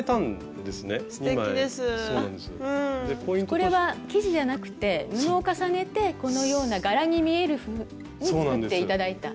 これは生地じゃなくて布を重ねてこのような柄に見えるふうに作って頂いた。